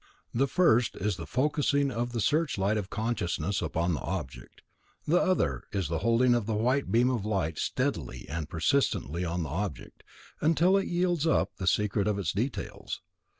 The first is the focussing of the searchlight of consciousness upon the object. The other is the holding of the white beam of light steadily and persistently on the object, until it yields up the secret of its details.